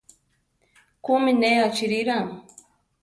¿Kúmi ne achíirira?